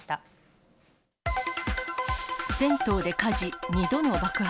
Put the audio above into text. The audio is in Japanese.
銭湯で火事、２度の爆発。